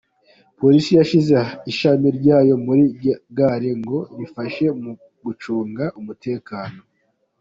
Polisi yashyize ishami ryayo muri gare ngo rifashe mu gucunga umutekano.